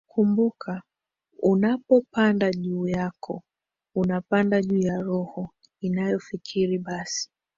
kumbuka unapopanda juu yako unapanda juu ya roho inayofikiri Basi